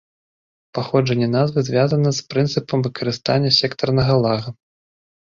Паходжанне назвы звязана з прынцыпам выкарыстання сектарнага лага.